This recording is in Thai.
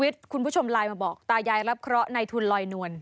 ตาายายรับเคราะห์ในทุนรอยนวล